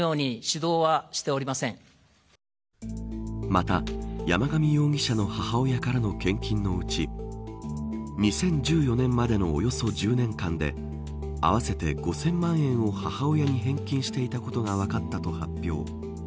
また山上容疑者の母親からの献金のうち２０１４年までのおよそ１０年間で合わせて５０００万円を母親に返金していたことが分かったと発表。